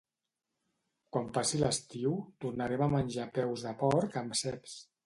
Quan passi l'estiu tornarem a menjar peus de porc amb ceps